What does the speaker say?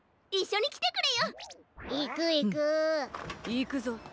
いくぞ。